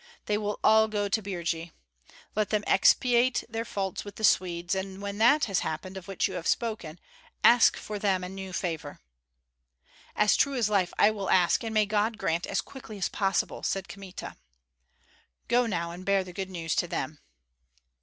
They will all go to Birji. Let them expiate their faults with the Swedes; and when that has happened of which you have spoken, ask for them a new favor." "As true as life, I will ask, and may God grant as quickly as possible!" said Kmita. "Go now, and bear the good news to them."